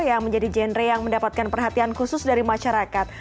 yang menjadi genre yang mendapatkan perhatian khusus dari masyarakat